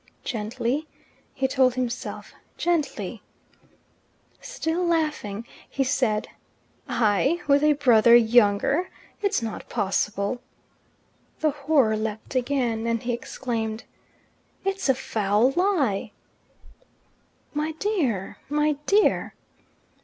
"Gently," he told himself, "gently." Still laughing, he said, "I, with a brother younger it's not possible." The horror leapt again, and he exclaimed, "It's a foul lie!" "My dear, my dear!"